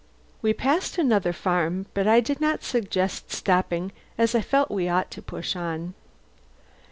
We passed another farm, but I did not suggest stopping as I felt we ought to push on.